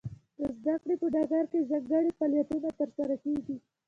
د زده کړې په ډګر کې ځانګړي فعالیتونه ترسره کیږي.